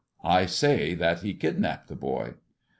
I say that he kidnapped the boy."